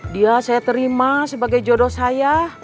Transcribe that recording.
dia saya terima sebagai jodoh saya